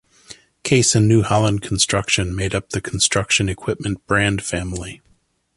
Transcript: Case and New Holland Construction made up the construction equipment brand family.